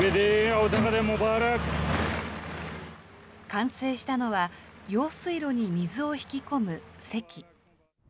完成したのは、用水路に水を引き込むせき。